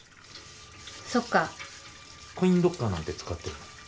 そっかコインロッカーなんて使ってるの？